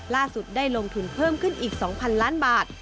ได้ลงทุนเพิ่มขึ้นอีก๒๐๐ล้านบาท